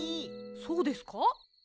そうですか？